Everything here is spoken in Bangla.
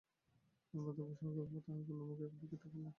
অন্নদাবাবু সগর্বে তাঁহার কন্যার মুখের দিকে তাকাইলেন।